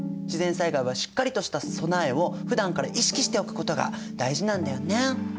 自然災害はしっかりとした備えをふだんから意識しておくことが大事なんだよね。